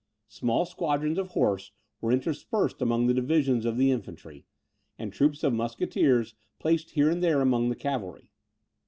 Small squadrons of horse were interspersed among the divisions of the infantry, and troops of musketeers placed here and there among the cavalry.